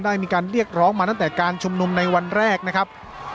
ได้มีการเรียกร้องมาตั้งแต่การชุมนุมในวันแรกนะครับ